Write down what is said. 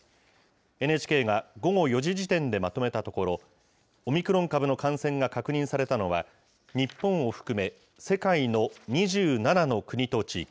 ＮＨＫが午後４時時点でまとめたところ、オミクロン株の感染が確認されたのは、日本を含め、世界の２７の国と地域。